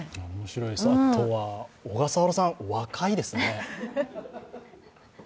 あとは小笠原さん、お若いですね。